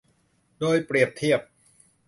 โดยเปรียบเทียบ